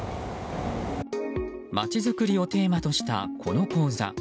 まちづくりをテーマとしたこの講座。